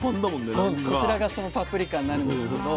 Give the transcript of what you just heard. こちらがそのパプリカになるんですけど。